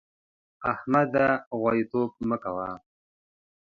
احمده! غواييتوب مه کوه.